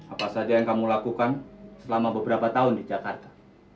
apa saja yang kamu lakukan selama beberapa tahun di jakarta